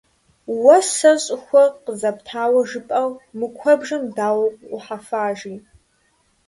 - Уэ сэ щӀыхуэ къызэптауэ жыпӀэу, мы куэбжэм дауэ укъыӀухьэфа, – жи.